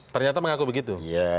ternyata mengaku begitu